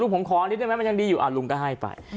ผมขอนิดได้ไหมมันยังดีอยู่ลุงก็ให้ไป